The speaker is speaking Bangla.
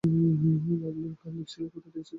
পাললিক শিলা কথাটি এসেছে 'পলি' বা 'পলল' থেকে।